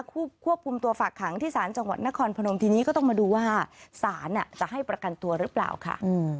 ควบคุมตัวฝากขังที่ศาลจังหวัดนครพนมทีนี้ก็ต้องมาดูว่าศาลจะให้ประกันตัวหรือเปล่าค่ะ